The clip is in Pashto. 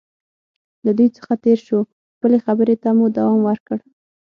له دوی څخه تېر شو، خپلې خبرې ته مو دوام ورکړ.